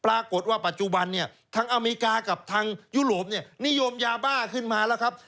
ปรากฏว่าปัจจุบันเนี่ยทางอเมริกากับทางยุโรปเนี่ยนิยมยาบ้าขึ้นมาแล้วครับ